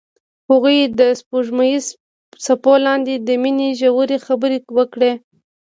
هغوی د سپوږمیز څپو لاندې د مینې ژورې خبرې وکړې.